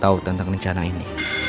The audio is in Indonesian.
tahu tentang rencana ini